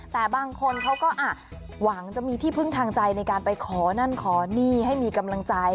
แต่บางคนเขาก็หวังจะมีที่พึ่งทางใจในการไปขอนั่นขอนี่ให้มีกำลังใจ